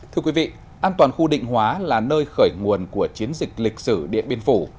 thưa quý vị an toàn khu định hóa là nơi khởi nguồn của chiến dịch lịch sử điện biên phủ